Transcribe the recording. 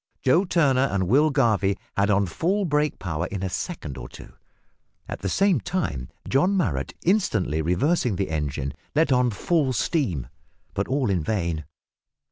Joe Turner and Will Garvie had on full brake power in a second or two. At the same time John Marrot instantly reversing the engine, let on full steam but all in vain.